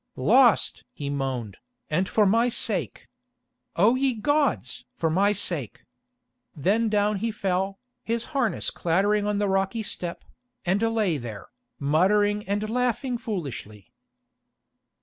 "Lost!" he moaned, "and for my sake. O ye gods! for my sake." Then down he fell, his harness clattering on the rocky step, and lay there, muttering and laughing foolishly.